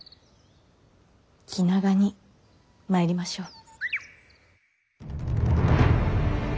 気長にまいりましょう。